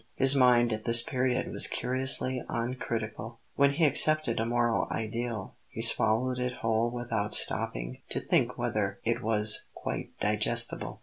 His mind at this period was curiously uncritical; when he accepted a moral ideal he swallowed it whole without stopping to think whether it was quite digestible.